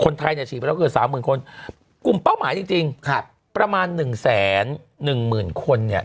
คนไทยเนี่ยฉีดไปแล้วเกือบ๓หมื่นคนกลุ่มเป้าหมายจริงประมาณ๑แสน๑หมื่นคนเนี่ย